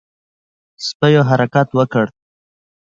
سپيو حرکت وکړ.